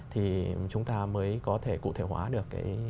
thì chúng ta mới có thể cụ thể hóa được cái